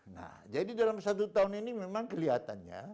nah jadi dalam satu tahun ini memang kelihatannya